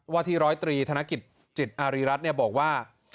วัทธิ๑๐๓ธนกิจจิตอารีรัฐบอกว่า